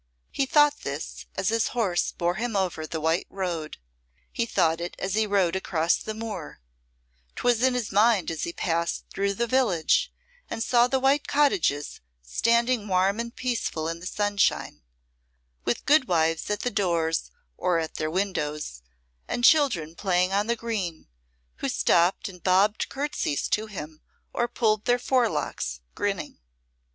He thought this as his horse bore him over the white road, he thought it as he rode across the moor, 'twas in his mind as he passed through the village and saw the white cottages standing warm and peaceful in the sunshine, with good wives at the doors or at their windows, and children playing on the green, who stopped and bobbed courtesies to him or pulled their forelocks, grinning.